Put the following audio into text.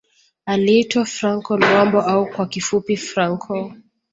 Aliitwa Franco Luambo au kwa kifupi Franco